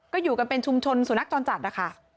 ก็อยู่กันเป็นชุมชนสุนัขจรจัดนะคะ